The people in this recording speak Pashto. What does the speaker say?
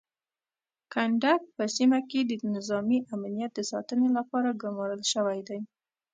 کنډک په سیمه کې د نظامي امنیت د ساتنې لپاره ګمارل شوی دی.